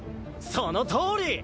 そのとおり！